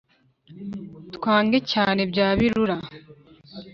twange cyane bya birura